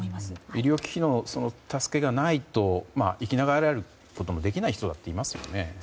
医療機器の助けがないと生きながらえることのできない人だっていますよね。